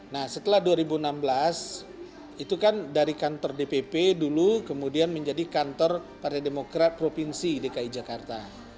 nah setelah dua ribu enam belas itu kan dari kantor dpp dulu kemudian menjadi kantor partai demokrat provinsi dki jakarta